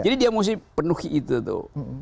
jadi dia mesti penuhi itu tuh